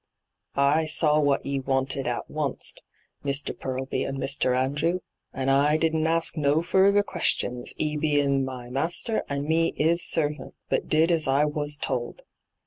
I saw what 'e wanted at oust, Mr. Purlby and Mr. Andrew, and I didn't ask no further questions, 'e hein' my master and me 'is servant, but did as I was told.